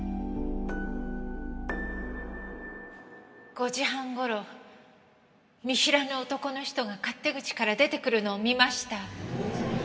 ５時半頃見知らぬ男の人が勝手口から出てくるのを見ました。